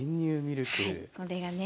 これがね